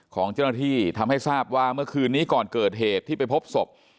ของเจ้าหน้าที่ทำให้ทราบว่าเมื่อคืนนี้ก่อนเกิดเหตุที่ไปพบศพ